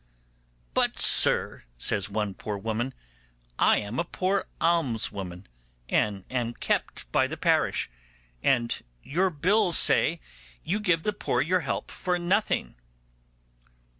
'But, sir,' says one poor woman, 'I am a poor almswoman and am kept by the parish, and your bills say you give the poor your help for nothing.